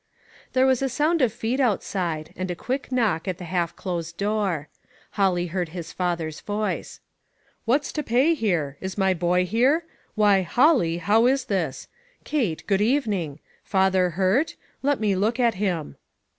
There was a sound of feet outside, and a quick knock at the half closed door. Holly heard his father's voice : DISCIPLINE. 341 \" What's to pay here ? Is ray boy here ? Why, Holly, how is this? Kate, good even ing; father hurt? Let me look at him!"